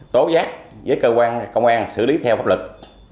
tố giác với cơ quan công an xử lý theo pháp lực